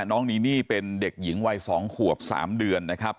น้องนีนี่เป็นเด็กหญิงวัย๒ขวบ๓เดือนนะครับ